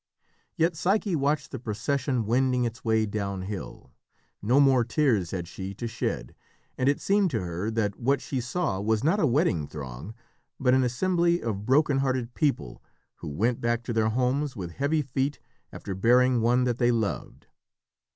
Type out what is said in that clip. Yet Psyche watched the procession wending its way downhill. No more tears had she to shed, and it seemed to her that what she saw was not a wedding throng, but an assembly of broken hearted people who went back to their homes with heavy feet after burying one that they loved.